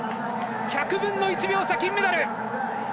１００分の１秒差で金メダル！